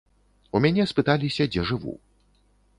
У мяне спыталіся, дзе жыву.